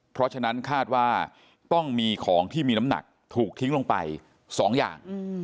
เพราะฉะนั้นคาดว่าต้องมีของที่มีน้ำหนักถูกทิ้งลงไป๒อย่าง